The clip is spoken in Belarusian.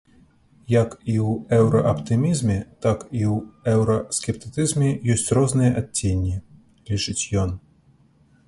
Як і ў еўрааптымізме, так і ў еўраскептыцызме ёсць розныя адценні, лічыць ён.